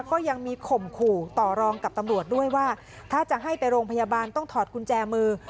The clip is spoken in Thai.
ก็ยังมีข่มขู่ต่อรองกับตำรวจด้วยว่าถ้าจะให้ไปโรงพยาบาลต้องถอดกุญแจมือ